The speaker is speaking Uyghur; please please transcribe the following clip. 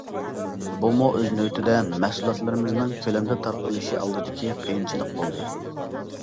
بۇمۇ ئۆز نۆۋىتىدە مەھسۇلاتلىرىمىزنىڭ كۆلەمدە تارقىلىشى ئالدىدىكى قىيىنچىلىق بولدى.